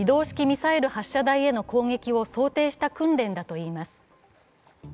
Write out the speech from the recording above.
ミサイル発射台への攻撃を想定した訓練だといいます。